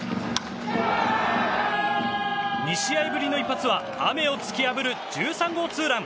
２試合ぶりの一発は雨を突き破る１３号ツーラン。